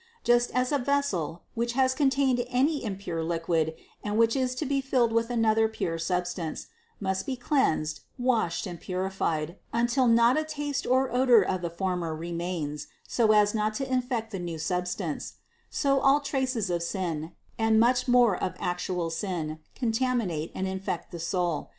Just as a vessel, which has contained any im pure liquid and which is to be filled with another pure substance, must be cleansed, washed and purified until not THE CONCEPTION 483 a taste or odor of the former remains so as not to infect the new substance : so all traces of sin (and much more of actual sin) contaminate and infect the soul.